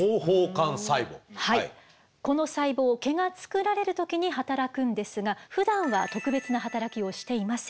この細胞毛が作られる時に働くんですがふだんは特別な働きをしていません。